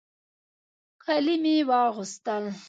کالي مې واغوستل.